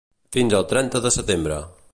Fins al trenta de setembre.